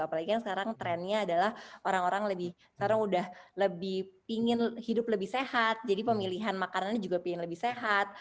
apalagi sekarang trendnya adalah orang orang sekarang udah lebih pingin hidup lebih sehat jadi pemilihan makanan juga lebih sehat